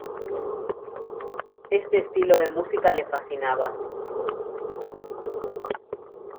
Este estilo de música le fascinaba.